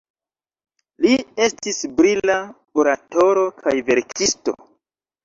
Li estis brila oratoro kaj verkisto.